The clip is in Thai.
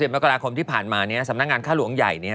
๓๐ประกอบที่ผ่านมาสำนักงานค่าหลวงใหญ่